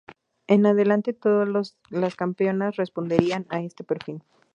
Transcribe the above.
En adelante todas las campeonas responderían a este perfil.